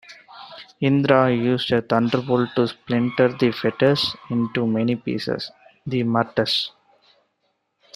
Indra used a thunderbolt to splinter the fetus into many pieces, the Maruts.